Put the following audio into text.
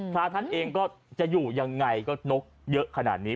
พระท่านเองก็จะอยู่ยังไงก็นกเยอะขนาดนี้